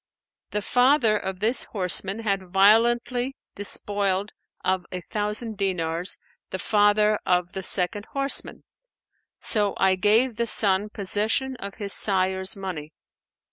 The father of this horseman had violently despoiled of a thousand dinars the father of the second horseman; so I gave the son possession of his sire's money.